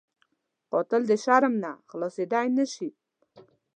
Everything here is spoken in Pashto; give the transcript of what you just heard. قاتل د شرم نه خلاصېدلی نه شي